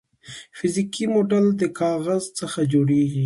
فزیکي موډل د کاغذ څخه جوړیږي.